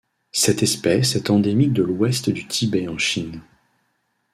Cette espèce est endémique de l'Ouest du Tibet en Chine.